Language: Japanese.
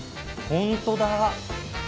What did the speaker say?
本当だ。